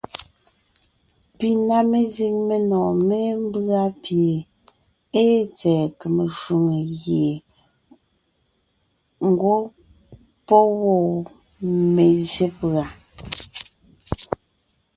Pi na mezíŋ menɔ̀ɔn mémbʉ́a pie ée tsɛ̀ɛ kème shwòŋo gie ńgwɔ́ pɔ́ wɔ́ mezsyé pùa.